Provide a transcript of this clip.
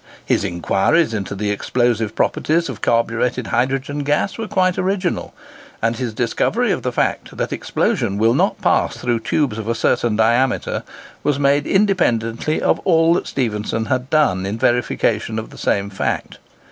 His inquiries into the explosive properties of carburetted hydrogen gas were quite original; and his discovery of the fact that explosion will not pass through tubes of a certain diameter was made independently of all that Stephenson had done in verification of the same fact.